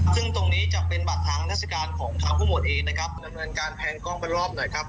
ซึ่งตรงนี้จะเป็นบัตรทางราชการของทางผู้หมวดเองนะครับดำเนินการแพงกล้องเป็นรอบหน่อยครับ